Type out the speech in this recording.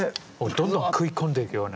どんどん食い込んでいくようなね。